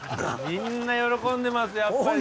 みんな喜んでますよやっぱりね。